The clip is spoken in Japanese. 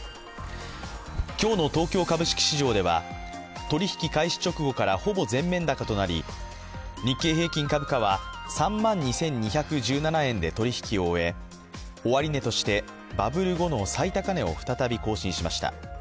今日の東京株式市場では取引開始直後からほぼ全面高となり、日経平均株価は３万２２１７円で取引を終え、終値としてバブル後の最高値を再び更新しました。